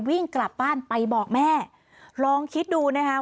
วิ่งกลับบ้านไปบอกแม่ลองคิดดูนะคะ